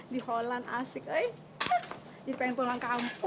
di holland asik jadi pengen pulang kampung